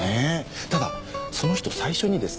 ただその人最初にですね